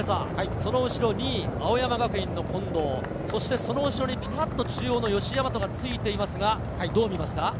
その後ろに青山学院の近藤、その後ろにピタッと中央の吉居大和がついていますが、どう見ますか。